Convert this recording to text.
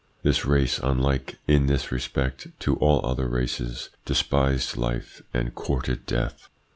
This race, unlike, in this respect, to all other races, despised life, and courted death.